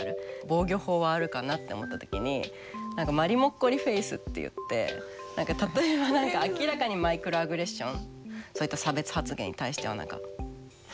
防御法はあるかなと思った時に何かまりもっこりフェースっていって例えば何か明らかなマイクロアグレッションそういった差別発言に対しては何か。